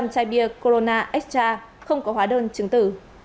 hai bốn trăm linh chai bia corona extra không có hóa đơn chứng tử